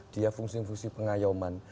dia fungsi fungsi pengayoman